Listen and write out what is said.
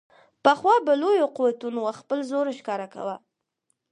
پخوا به لویو قوتونو خپل زور ښکاره کاوه.